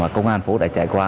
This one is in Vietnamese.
công an thành phố đã trải qua